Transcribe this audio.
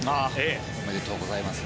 おめでとうございます。